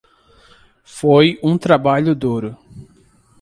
Foi um trabalho duro.